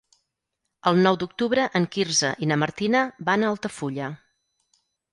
El nou d'octubre en Quirze i na Martina van a Altafulla.